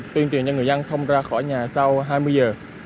tuyên truyền cho người dân không ra khỏi nhà sau hai mươi giờ